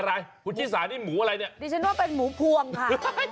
ดิฉันว่ามันเป็นหมูพวงค่ะ